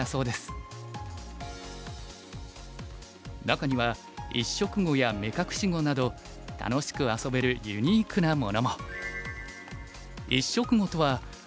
中には一色碁や目隠し碁など楽しく遊べるユニークなものも。